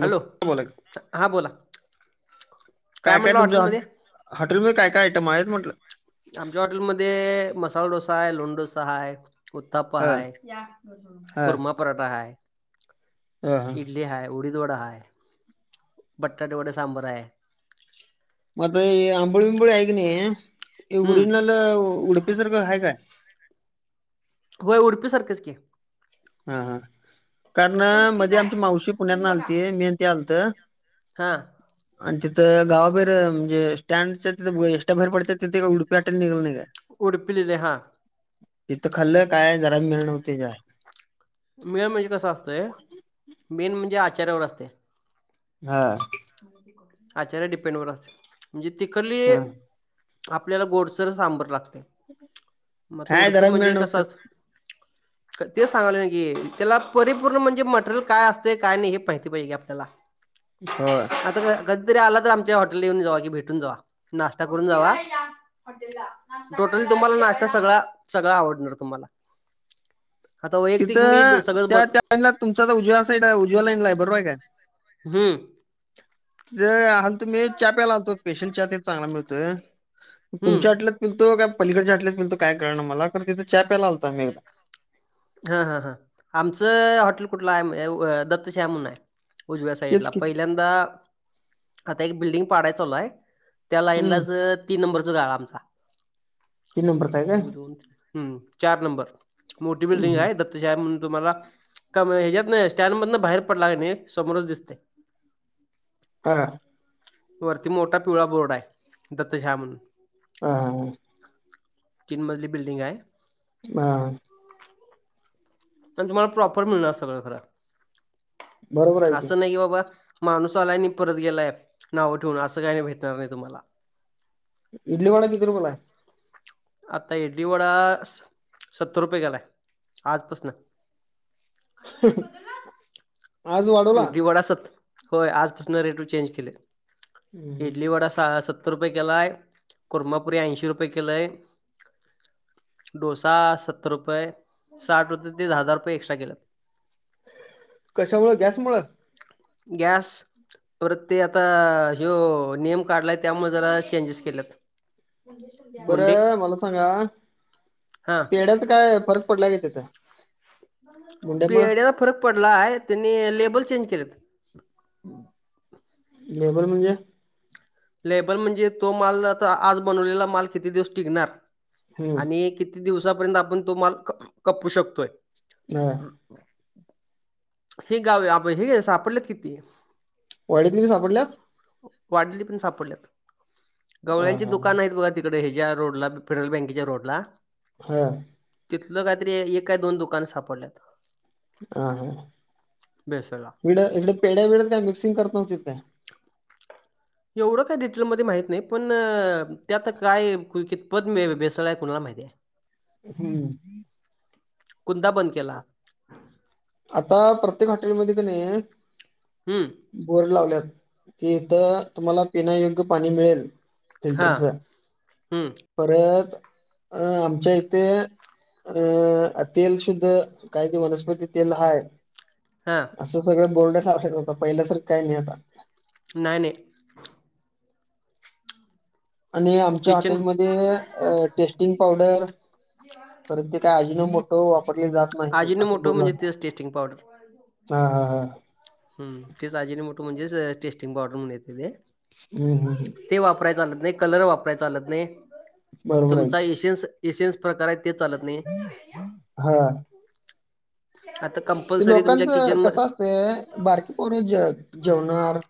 Hello. बोला की हा बोला. काय काय म्हटला तुमच्या हॉट हॉटेलमध्ये? हॉटेलमध्ये काय काय आयटम आहेत म्हटलं. आमच्या हॉटेलमध्ये मसाला डोसा हाय. लोणी डोसा हाय. उत्ताप्पा हां हाय. हां कुर्मा पराठा हाय. हां हां इडली हाय, उडीद वडा हाय, बटाटे वडे सांबर हाय. म आंबोळी विबुळी आहेगनी हं. ओरिजनल उडपी सारखं हाय काय? होय. उडपी सारखंच की. हा हा. कारण मध्ये आमची मावशी पुण्यातन आलती मी आणि ती आलत. हां. आणि तिथं गावाबाहेर म्हणजे स्टँडच्या तिथ एशट्याबाहेर पडत्यात तिथ एक उडपी हाटेल निघल नाही काय? उडपीलेले हा तिथं खाल्लंय काय जरा बी मेलड नव्हत काय. मेळ म्हणजे कसं असतंय मेन म्हणजे आचाऱ्यावर असते. हा.. आचाऱ्या डिपेंडवर असते म्हणजे तिकले हां आपल्याला गोडसर सांबर लागतय म आता काय उडपी जरा मिळं म्हणजे कस नव्हत्यात असतय ते सांगाले की त्याला परिपूर्ण म्हणजे मटेरियल काय असतय काय नाही हे माहिती पाहिजे आपल्याला. होय. आता कधीतरी आला तर आमच्या हॉटेल येऊन जावा कि भेटून जावा नाश्ता करून जावा. टोटली तुम्हाला नाश्ता सगळा सगळा आवडणार तुम्हाला. आता वैयक्तिक मी तिथं सगळ त्या त्या लाईनला तुमंचा तर उजव्या साईडला आहे उजव्या लाईन ला आहे बरोबर आहे काय. हम्म. ते आलतो मी चहा प्याला आलतो मी. स्पेशल चहा तेन चांगला मिळतोय. तुमच्या हम्म हाॅटेलात पिलतो काय पलीकडच्या हाॅटेलात पिलतो काय कळना मला खर तिथे चहा प्यायला आलतो आम्ही एकदा. हा हा हा. आमचं हॉटेल कुठलं आहे दत्तश्याम म्हणून आहे. उजव्या तेच साईडला की पहिल्यांदा. आता एक बिल्डिंग पाडाय चालू हाय त्या हम्म लाईनलाच तीन नंबरच गाळा आमचा तीन नंबरचा आहे काय अ दोन हम चार नंबर मोठी बिल्डिंग हम्म. आहे दत्तश्याम म्हणून तुम्हाला का ह्याच्यातन स्टँड मधन बाहेर पडला कनी समोरच दिसते. हा. वरती मोठा पिवळा बोर्ड आहे दत्तश्याम म्हणून ह ह. तिन मजली बिल्डिंग आहे. हा.. पण तुम्हाला प्रॉपर मिळणार सगळं बरोबर खर आहे असं नाही की बाबा. माणूस आलाय आणि ही परत गेलाय नाव ठेवून असं काही नाही भेटणार नाही तुम्हाला.. इडली वडा किती रूपयला आहे. आता इडली वडा सत्तर रुपये केलाय आजपासन. ह [unintelligible] इडली वडा असत होय आजपासून रेटू चेंज केले हम्म. इडली वडा सतर. सत्तर रुपये केलाय कुरमापुरी ऐंशी रुपये केलाय. डोसा सत्तर रुपये साठ रुपये ते दहा दहा रुपये एक्स्ट्रा केल्यात. कशामुळे गॅसमुळ. गॅस. परत ते आता हो नियम काढलाय त्यामुळे जरा चेंजेस केल्यात. मुंडी. बरं मला सांगा पेढ्याचा काय फरक पडलाय का तिथं. मुंड्यामुळं पेड्याचा फरक पडलाय त्यांनी लेबल चेंज केलेत. लेबल म्हणजे. लेबल म्हणजे तो माल आता आज बनवलेला माल किती दिवस टिकणार हम्म आणि क. किती दिवसापर्यंत आपण तो माल खपऊ शकतोय?. हा. हे गावी आप हे सापडलं किती? वाडीतील सापडल्यात. वाडीतली पण सापडल्यात हा गवळ्यांची हा दुकान आहेत बघा. तिकडे ह्याच्या रोड ला पिरल बँकेच्या रोड ला. हा. तिथलं काहीतरी एक काय दोन दुकान सापडल्यात. हा भेसळला. इकड इकड पेढ्या बिड्यात काय मिक्सिंग करत नव्हतीत काय?. [inaudible] एवढं काय डिटेलमध्ये माहित नाही पण त्यात काय कितपत म भेसळ आहे कुणाला माहिती?. हम्म कुद्दा बंद केला. आता प्रत्येक हॉटेलमध्ये की नाही. हम्म. बोर्ड लावल्यात कि इथं तुम्हाला पिण्यायोग्य पाणी मिळेल. हां, फिल्टरच हं, परत. अ आमच्या इथे अ तेल सुुद्धा काय ते वनस्पती. तेल हाय. हा. असं सगळं बोर्ड लावल्यात आता पहिल्यासारं काही नाही आता. नाय नाय. आणि आमच्या किचन हॉटेलमध्ये. ते टेस्टिंग पावडर परत ते काय अजीनो मोटो वापरले जात. नाही असं अजिनोमोटो बोर्ड म्हणजे लावलाय तेच टेस्टिंग पावडर. हा हा. हम तेच अजीनो मोटो म्हणजेच टेस्टिंग पावडर म्हणायचं ते. हम् हम ह. ते वापराय चालत नाही, कलर वापरायचा चालत नाही बरोबर आहे तुमचा की. एसेएन्स. एसेएन्स प्रकार आहेत ते चालत नाही. हा. आता ते कंपल्सरी तुमच्या लोकांचं किचन म कसं असतय बारकी पोर ज जेवणार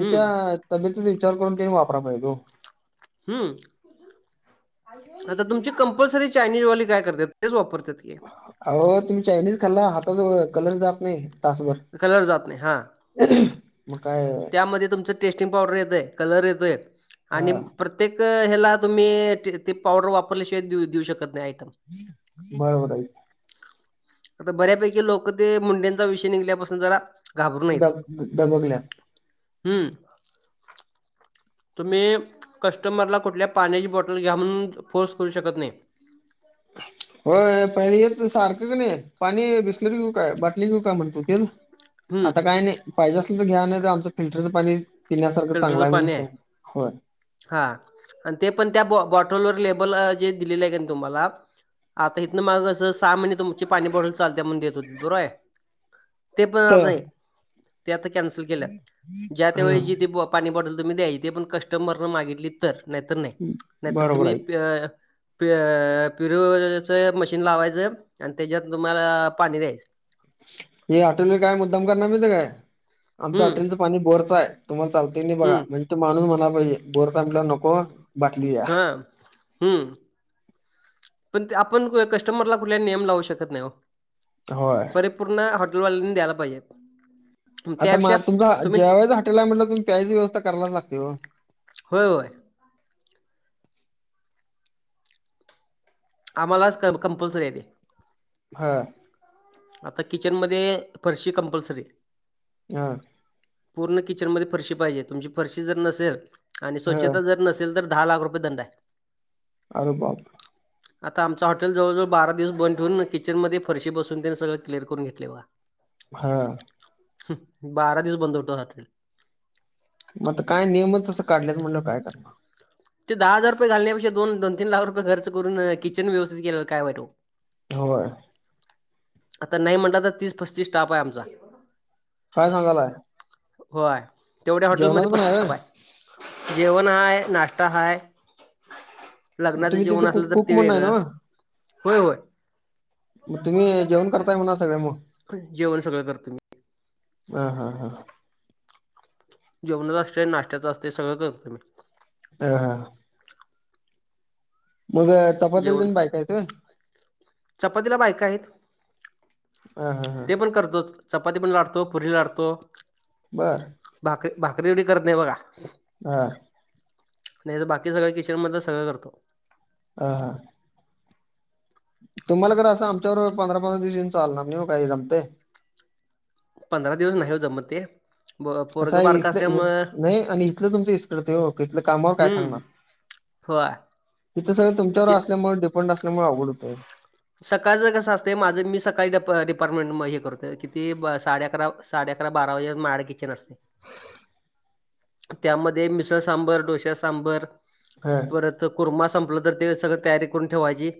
हं, तब्येतीचा विचार करून त्यांनी वापराय पायजेत ओ हू आता तुमची कंपल्सरी चायनीज वाली काय करत्यात तेच वापरत्यात की अहो तुम्ही चायनीज खाल्ला हाताच कलर जात नाही तासभर [inaudible] कलर जात नाही हां मग काय त्यामध्ये तुमचं टेस्टिंग पावडर येतय कलर येतय हा आणि प्रत्येक ह्याला तुम्ही तीड ती पावडर वापरल्याशिवाय देऊ देऊ शकत नाही आयटम बरोबर आहे आता बऱ्यापैकी लोक ते मुंडेंचा विषय निघल्यापासून जरा दब दबकल्यात हू तुम्ही कस्टमरला कुठल्या पाण्याची बॉटल घ्या म्हणून फोर्स करू शकत नाही व्हय पहिल येत सारखं कणी पाणी बिस्लेरी घेऊ काय बाटली घेऊ काय म्हणत होतील हम्म आता काय नाही पाहिजे असल तर घ्या नाही तर आमचं फिल्टरचं पाणी पिण्यासारखं चांगलं फिल्टरचं आहे पाणी म्हणत्यात होय हा आणि ते पण त्या बॉटलवर लेबल अ जे दिलेले आहे कणी तुम्हाला आता इथनं मागं कस सहा महिने तुमची पाणी बॉटल चालत्या म्हणून देत होतीत बरोबर आहे ते पण आ ह नाही ते आता कॅन्सल केल्या ज्या त्या ह वेळी जी ती बॉ पाणी बॉटल तूम्ही द्याय ते पण कस्टमर मागितली तर नाहीतर नाही नाहीतर बरोबर तुम्ही आहे. प प्युरोच मशीन लावायचं आणि त्याच्यात तुम्हाला पाणी द्यायचं हे हॉटेल वाले काय मुद्दाम करणार माहित हाय काय आमच हम्म हॉटेलचं पाणी बोरचं हाय तुम्हाला चालते की नाय बघा हम्म म्हणजे तो माणूस म्हणायला पाहिजे बोरच हाय म्हणाल्यावर नको बाटली द्या. हा हू पण ते आपण कस्टमरला कुठले नियम लावू शकत नाही ओ होय पूर्ण हॉटेलवाल्यांनी द्यायला पाहिजेत आता मा तुमचा जेवायचं हॉटेल आहे म्हटल्यावर तुम्ही प्यायची व्यवस्था करायलाच लागते ओ होय होय आम्हालाच कम कंपल्सरी आहे ते हा आता किचनमध्ये फरशी कंपल्सरी हा पूर्ण किचन मध्ये फरशी पाहिजे तुमची फरशी जर नसेल आणि हां. स्वच्छता जर नसेल तर दहा लाख रुपय दंड आहे अरे बापरे [inaudible] आता आमच हॉटेल जवळजवळ बारा दिवस बंद ठेऊन किचनमध्ये फरशी बसवून तेन सगळ क्लिअर करून घेतलंय बघा [inaudible] हा हू बारा दिवस बंद होत हॉटेल मग आता काय नियमच तसं काढल्यात म्हटल्यावर काय करणार ते दहा हजार रुपय घालण्यापेक्षा दोन दोन तीन लाख रुपये खर्च करून किचन व्यवस्थित केलेल काय वाईट हं! व्हय! ! आता नाही म्हटलं तर, तीस पस्तीस स्टाफ आहे, आमचा काय सांगालाय? होय! तेवढ्या हॉटेलमध्ये जेवणाचं पण पस्तीस होय? स्टाफ आहे जेवण हाय, नाश्ता हाय, मग तुम्ही तिथे, कुक कुकम्हणून हाय नव्ह? होय होय मग तुम्ही जेवण करताय, म्हणा सगळे मग जेवण सगळं करतो मी ह! हा! हा! ! जेवणाच असते, नाशत्याचं असते, सगळं तं ह! हा! ! मग जेवण चपातीला बायक आहेत का? चपातीला बायक आहेत, हां हां हां. ते पण करतोच चपाती पण लाटतो, पुरी लाटतो बर! ! भाकरी, भाकरी तेवढी करत नाही बघा! हा! ! नाहीतर बाकी सगळं., किचन मधले सगळं करतो. ह -हां! ! तुम्हाला खरं असं, आमच्या बरोबर पंधरा- पंधरा दिवस येऊन चालणार नाही मग., काही झाले तर पंधरा दिवस., नाही हो! जमत मग ते ब कसं पोरगं आहे बारकं इथलं, असल्यामुळं नाही, आणि इथलं तुचं इस्कत, इथलं कामावर काय हम्म सांगणार? होय इथं सगळे तुमच्यावर ते असल्यामुळे, डिपेंड असल्यामुळे, अवघड होत य! सकाळचं कसं असत, माझं मी सकाळी डिपार्टमेंट म हे करतो किती साडे अकरा साडे अकरा, बारा वाजे पर्यंत माझ्याकडे किचन असते त्यामध्ये मिसळ सांबर डोश्या सांबर हा परत कुर्मा संपलं तर, ते सगळ तयारी करून ठेवायची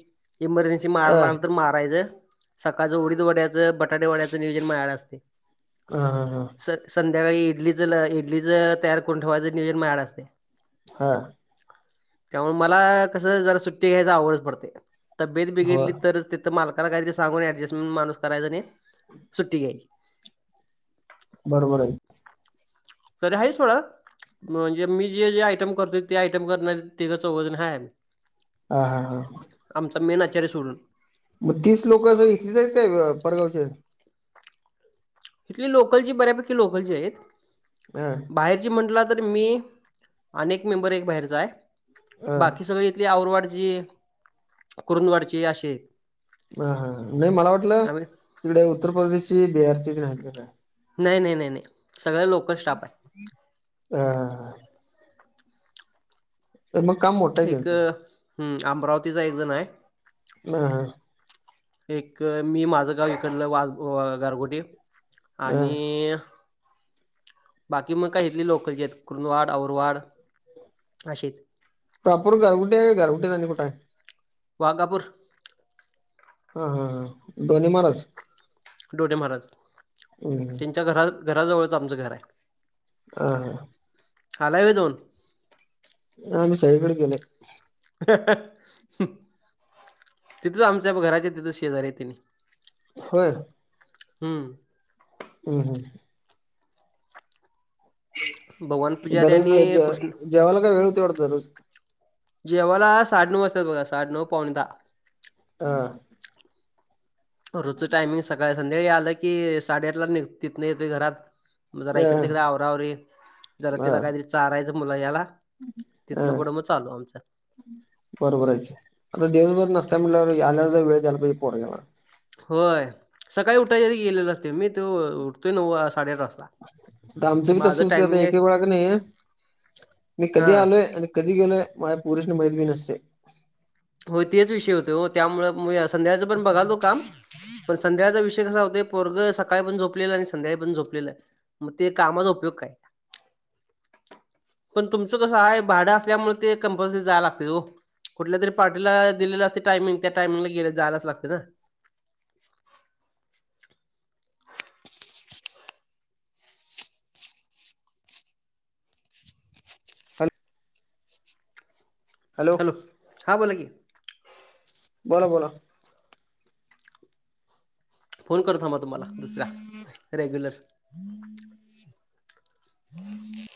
इमर्जन्सी अ जेमाराला ला तर मारायचं, सकाळचं उडीद, वड्याचं, बटाटे वड्याचं नियोजन माझ्याकडेच असते. ह! ह! हा! ! स संध्याकाळी इडलीच, इडलीच तयार करून, ठेवायचं नियोजन माझ्या कडे असते ह! ! त्यामुळे मला कस. जरा, सुट्टी घ्यायच आवड पडते, तर तब्येत बिघडली हो तिथं मालकाला काहीतरी सांगून, ऍडजस्टमेंट माणूस करायचा, आणि सुट्टी घ्यायची बरोबर आहे. तरी आहे सोडा! ! म्हणजे मी जे जे आयटम करतो ते, आयटम करणार तेघ चौघजण खायाच. हा! हा! हा! ! आमचा मेन आचार्य सोडून मग तीस लोक अस इथलेच आहेत? काय परगावची इथली लोकल ची बऱ्यापैकी, लोकल ची आहेत. हा! ! बाहेरची म्हटला तर मी, अनेक मेंबर एक बाहेरचा आहे हा बाकी सगळे तली आवरवड ज करून कुरूद वाढची अशी! हा! हा नाही मला वाटलं! आम्ही तिकडे उत्तर प्रदेशची बिहार आहेत का काय? नाही! नाही! नाही! नाही! सगळ लोक हा! ! तर मग काम मो एक, हम् अमरावतीचा एक जण हाय. ह, हा. एक मी माझं गाव इकडलं वाघ, गारगोटी हा आणि बाकी मग काही इथली लोकलची हाईत, कृंदवाड औरवाड अशी हाईत. प्राप्पर गारगुठी हाय का गारगुटीत आणि कुठ हाय? वाघापूर. हा, हा, हां ढोणे महाराज. डोडेे महाराज. हम्. त्यांच्या घरा- घराजवळच आमचं घर हाय. आता ह. आलाय व्हय जाऊन? आ मी सगळीकडे गेलोय. तिथंच आमच्या घराच्या तिथं शेजारी आहेत तेनी. व्हय. हम्म. हम्, हम. भगवान पुजारी दररोज आणि जे कृष्ण जेवायला काय वेळ होतोय वाटतं दररोज जेवाला साडे नऊ वाजत्यात बघा, साडे -नऊ पावणे दहा. हा. रोजच टायमिंग सकाळी, संध्याकाळी आलं की साडे-आठला निघ तिथंन येतोय घरात. जरा अ इकड- तिकड आवरा-आवरी जरा हा तिला काहीतरी चारायचं मुलग्याला. हा तिथन पुढं मग चालू आमचं. बरोबर हाय कि, आता दिवसभर नसता म्हटल्यावर आल्यावर वेळ द्यायला पाहिजे कि पोरग्याला. होय, सकाळी उठायच्या आधी गेलेलं असतोय वो मी तो उठतोय नऊ, साडे-आठ वाजता आता आमचं बी तसच माझं होतंय, आता टायमिंग आहे एक- एक वेळा कणी, मी कधी हां. आलोय आणि कधी गेलोय माझ्या पोरींसनी माहित पण नसतय. होय, तेच विषय होतोय वो, त्यामुळ संध्याकाळच पण बघालतो काम. पण संध्याकाळचा विषय कसा होतोय पोरगं सकाळी पण झोपलेला, आणि संध्याकाळी पण झोपलेला मग ते कामाचा उपयोग काय? पण तुमचं कसं हाय, भाडं असल्यामुळ ते कंपल्सरी जायला लागतयच वो, कुठल्या तरी पार्टीला दिलेलं असतय टायमिंग, त्या टायमिंगला गेल जायलच लागतय ना. हॅल. लो, हां बोला की. बोला, बोला. फोन करतो थांबा तुम्हाला दुसऱ्या, रेग्युलर. [inaudible]